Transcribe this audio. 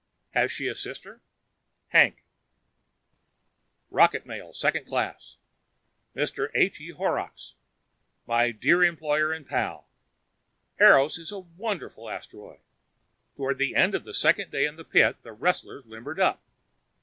HAS SHE A SISTER? HANK ROCKET MAIL (Second Class) Mr. H. E. Horrocks My dear employer and pal: Eros is a wonderful asteroid! Toward the end of the second day in the pit, the wrestlers limbered up.